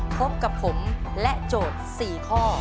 พบกับผมและโจทย์๔ข้อ